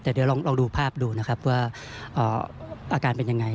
แต่เดี๋ยวลองดูภาพดูนะครับว่าอาการเป็นยังไง